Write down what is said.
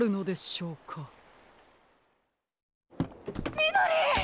みどり！